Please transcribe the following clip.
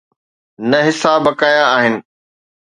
نه حصا بقايا آهن.